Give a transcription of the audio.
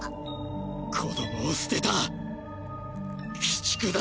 子どもを捨てた鬼畜だ。